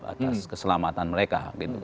atas keselamatan mereka